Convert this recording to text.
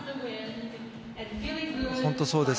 本当にそうです。